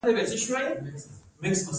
ایا زه باید کاجو وخورم؟